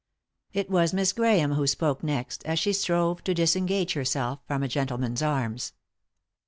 It was Miss Grahame who spoke next, as she strove to disengage herself from a gentleman's arms.